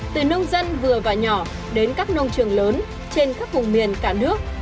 từ nông dân vừa và nhỏ đến các nông trường lớn trên các vùng miền cả nước